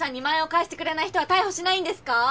２万円を返してくれない人は逮捕しないんですか！？